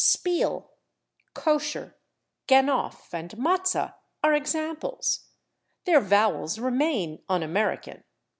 /Spiel/, /kosher/, /ganof/ and /matzoh/ are examples; their vowels remain un American.